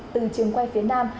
từ trường quay phía nam